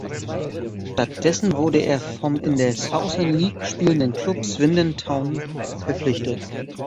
Stattdessen wurde er vom in der Southern League spielenden Klub Swindon Town verpflichtet.